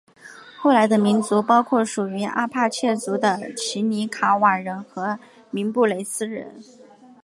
后来的民族包括属于阿帕契族的奇里卡瓦人和明布雷斯人。